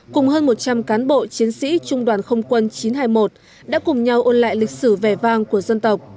cùng hơn một trăm linh cán bộ chiến sĩ trung đoàn không quân chín trăm hai mươi một đã cùng nhau ôn lại lịch sử vẻ vang của dân tộc